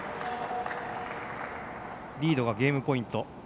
リードがゲームポイント。